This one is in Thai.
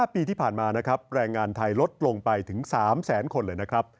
ปีที่ผ่านมานะครับแรงงานไทยลดลงไปถึง๓แสนคนเลยนะครับ